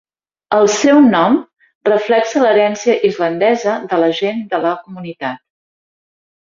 El seu nom reflexa l'herència islandesa de la gent de la comunitat.